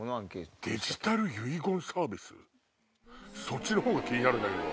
そっちの方が気になるんだけど。